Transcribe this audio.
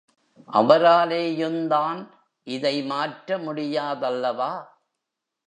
அவராலேயுந்தான் இதை மாற்ற முடியாதல்லவா?